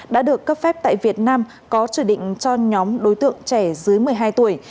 đã được cấp phép tại việt nam có chỉ định cho nhóm đối tượng trẻ dưới một mươi hai tuổi